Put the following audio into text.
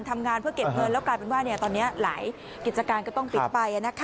ทำงานเพื่อเก็บเงินแล้วกลายเป็นว่าตอนนี้หลายกิจการก็ต้องปิดไป